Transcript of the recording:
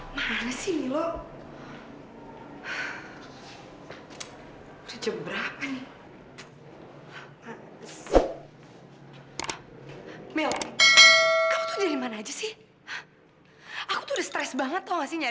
sampai jumpa di video selanjutnya